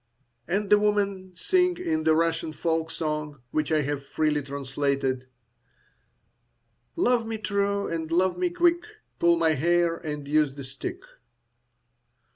And the woman sings in the Russian folk song, which I have freely translated, Love me true, and love me quick, Pull my hair, and use the stick.